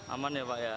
aman ya pak ya